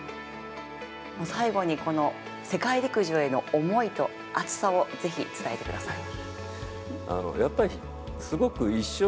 最後に世界陸上への思いと熱さをぜひ伝えてください。